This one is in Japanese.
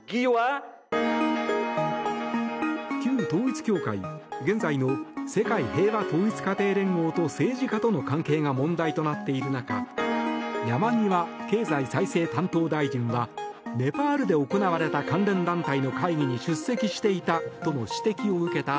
旧統一教会現在の世界平和統一家庭連合と政治家との関係が問題となっている中山際経済再生担当大臣はネパールで行われた関連団体の会議にも出席していたと指摘を受けた